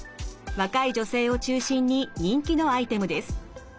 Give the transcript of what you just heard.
若い女性を中心に人気のアイテムです。